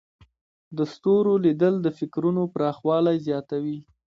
د ستورو لیدل د فکرونو پراخوالی زیاتوي.